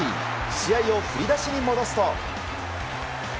試合を振り出しに戻すと。